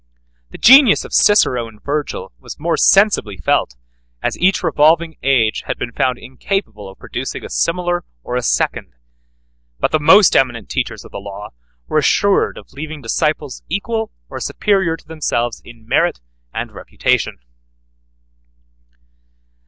The genius of Cicero and Virgil was more sensibly felt, as each revolving age had been found incapable of producing a similar or a second: but the most eminent teachers of the law were assured of leaving disciples equal or superior to themselves in merit and reputation.